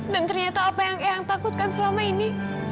dan ternyata apa yang ayah takutkan selama ini